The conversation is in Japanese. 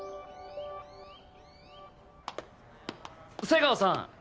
瀬川さん。